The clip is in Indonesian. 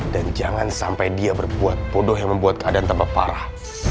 dan jangan sampai dia berbuat bodoh yang membuat keadaan terlalu parah